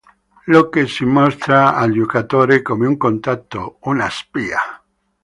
Locke si mostra al giocatore come un contatto, una spia.